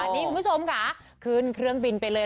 คุณผู้ชมขาขึ้นเครื่องบินไปเลย